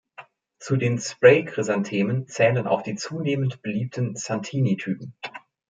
Zu den Spray-Chrysanthemen zählen auch die zunehmend beliebten "Santini"-Typen.